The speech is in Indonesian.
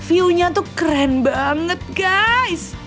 viewnya tuh keren banget guys